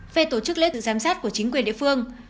về tổ chức lễ tự giám sát của chính quyền địa phương